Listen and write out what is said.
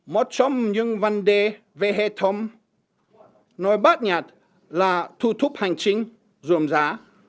một trong những vấn đề về hệ thống nói bắt nhạt là thu thúc hành trình dùm giá